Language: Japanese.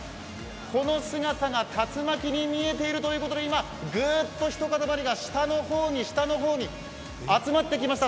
この姿が竜巻に見えているということで今、ぐっと一固まりが下の方に、下の方に集まってきました。